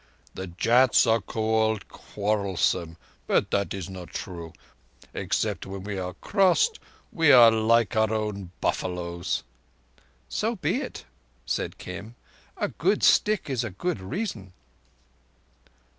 "The Jats are called quarrel some, but that is not true. Except when we are crossed, we are like our own buffaloes." "So be it," said Kim. "A good stick is a good reason."